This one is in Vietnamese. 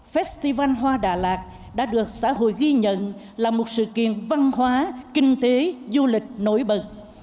festival hoa đà lạt đã được xã hội ghi nhận là một sự kiện văn hóa kinh tế du lịch nổi bật